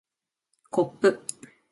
こっぷ